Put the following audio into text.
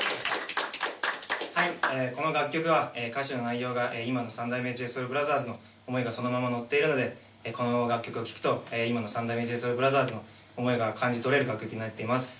この楽曲は歌詞の内容が今の三代目ＪＳＯＵＬＢＲＯＴＨＥＲＳの思いがそのままのっているので、このまま楽曲を聴くと今の三代目ＪＳＯＵＬＢＲＯＴＨＥＲＳの思いが感じ取れる楽曲になっています。